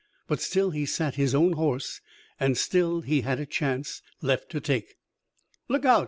But still he sat his own horse, and still he had a chance left to take. "Look out!"